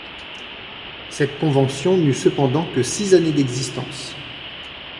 Cette convention n'eut cependant que six années d'existence.